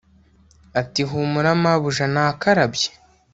ati humura mabuja nakarabye